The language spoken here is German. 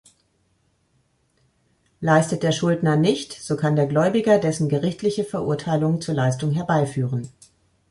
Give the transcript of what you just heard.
Leistet der Schuldner nicht, so kann der Gläubiger dessen gerichtliche Verurteilung zur Leistung herbeiführen.